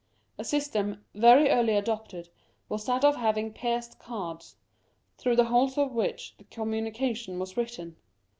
A system, very early adopted, was that of having pierced cards, through the holes of which the communication was written.